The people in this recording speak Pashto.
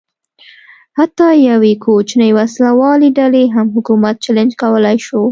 حتی یوې کوچنۍ وسله والې ډلې هم حکومت چلنج کولای شو.